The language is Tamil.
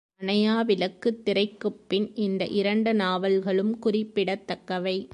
அணையாவிளக்கு திரைக்குப்பின் இந்த இரண்டு நாவல்களும் குறிப்பிடத்தக்கவை.